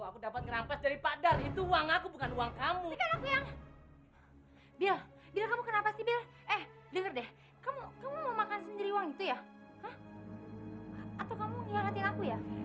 kita sekarang ambil kemahiasan aja pak